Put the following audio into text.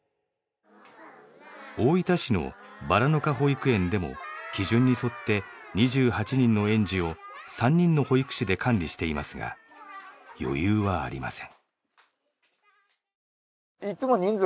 大分市のばらのか保育園でも基準に沿って２８人の園児を３人の保育士で管理していますが余裕はありません。